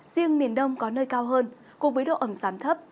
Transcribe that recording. riêng miền đông có nơi cao hơn cùng với độ ẩm sám thấp